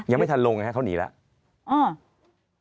ยังไม่ถันลงเนี่ยเข้านีแล้ว